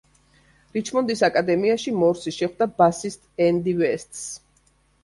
რიჩმონდის აკადემიაში მორსი შეხვდა ბასისტ ენდი ვესტს.